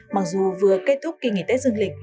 mặc dù vừa kết thúc kỳ nghỉ tết dương lịch